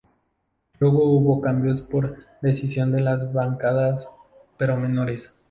Luego hubo algunos cambios por decisión de las bancadas, pero menores.